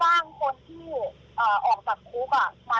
หนึ่งในสี่คนนั้นอีกการทำร้ายร่างกายโดยการตกหน้า